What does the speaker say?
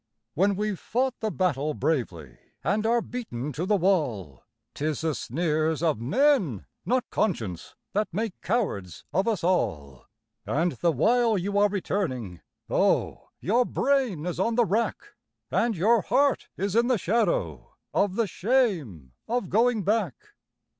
When we've fought the battle bravely and are beaten to the wall, 'Tis the sneers of men, not conscience, that make cowards of us all; And the while you are returning, oh! your brain is on the rack, And your heart is in the shadow of the shame of going back.